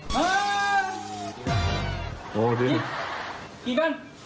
แม่ติ๊ค